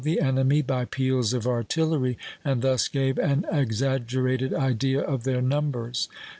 56 THE SIKH RELIGION the enemy by peals of artillery, and thus gave an exaggerated idea of their numbers.